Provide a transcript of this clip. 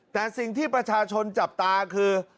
แต่สิ่งที่ประชาชนจับตาคือ